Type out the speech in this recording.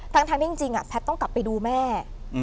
ทั้งที่จริงแพทย์ต้องกลับไปดูแม่